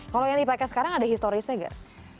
kalau yang dipakai sekarang ada historisnya gak